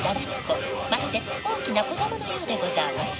まるで大きな子供のようでござあます。